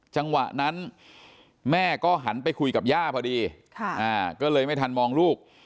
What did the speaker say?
จังหวะนั้นแม่ก็หันไปคุยกับย่าพอดีก็เลยไม่ทันมองลูก